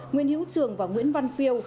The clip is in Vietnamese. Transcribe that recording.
nguyễn hữu trường và nguyễn văn phiêu